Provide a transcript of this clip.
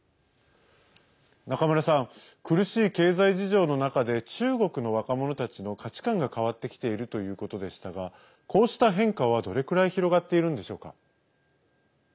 中村さん、苦しい経済事情の中で中国の若者たちの価値観が変わってきているということでしたがこうした変化は、どれくらい広がっているんでしょうか。